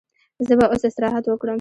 زه به اوس استراحت وکړم.